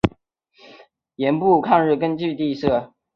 盐阜抗日根据地设。